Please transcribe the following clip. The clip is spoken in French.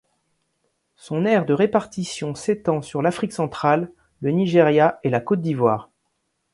Son aire de répartition s'étend sur l'Afrique centrale, le Nigeria et la Côte d'Ivoire.